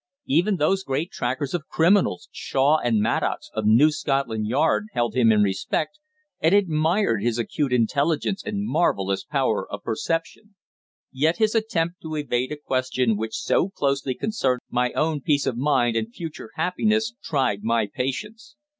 Even those great trackers of criminals, Shaw and Maddox, of New Scotland Yard, held him in respect, and admired his acute intelligence and marvellous power of perception. Yet his attempt to evade a question which so closely concerned my own peace of mind and future happiness tried my patience.